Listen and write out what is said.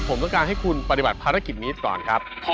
ผมต้องการให้คุณปฏิบัติภารกิจนี้ก่อนครับ